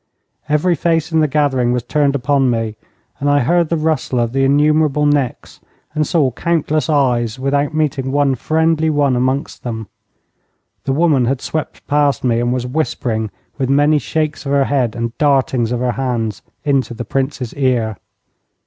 Every face in the gathering was turned upon me, and I heard the rustle of the innumerable necks and saw countless eyes without meeting one friendly one amongst them. The woman had swept past me, and was whispering, with many shakes of her head and dartings of her hands, into the Prince's ear.